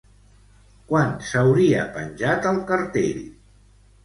Quan s'hauria penjat el cartell?